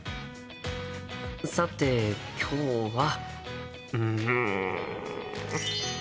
さて今日はうん。